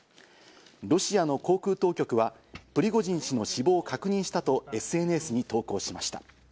ロシアの航空当局はプリゴジン氏の死亡を確認したとＳＮＳに投稿しました。